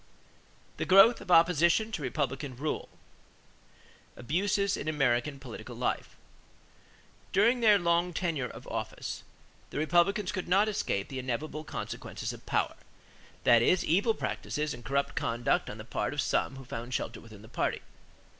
THE GROWTH OF OPPOSITION TO REPUBLICAN RULE =Abuses in American Political Life.= During their long tenure of office, the Republicans could not escape the inevitable consequences of power; that is, evil practices and corrupt conduct on the part of some who found shelter within the party.